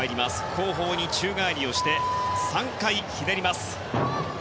後方に宙返りをして３回ひねります。